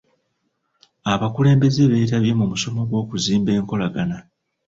Abakulembeze beetabye mu musomo gw'okuzimba enkolagana.